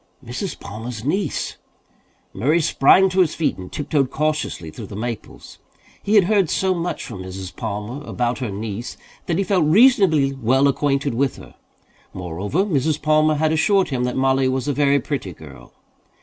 "Mrs. Palmer's niece!" Murray sprang to his feet and tiptoed cautiously through the maples. He had heard so much from Mrs. Palmer about her niece that he felt reasonably well acquainted with her. Moreover, Mrs. Palmer had assured him that Mollie was a very pretty girl.